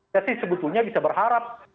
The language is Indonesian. tapi sebetulnya bisa berharap